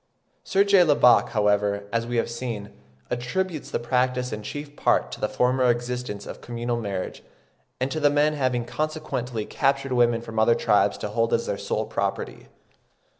Sir J. Lubbock, however, as we have seen, attributes the practice in chief part to the former existence of communal marriage, and to the men having consequently captured women from other tribes to hold as their sole property.